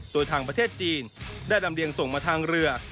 โดยทางประเทศจีนได้ลำเรียงส่งมาทางเรือ